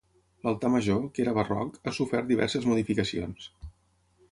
L'altar major, que era barroc, ha sofert diverses modificacions.